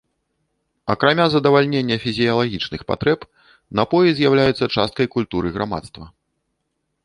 Акрамя задавальнення фізіялагічных патрэб напоі з'яўляюцца часткай культуры грамадства.